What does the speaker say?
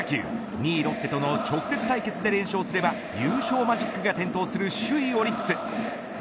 ２位ロッテとの直接対決で連勝すれば優勝マジックが点灯する首位オリックス。